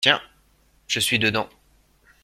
Tiens ! je suis dedans !…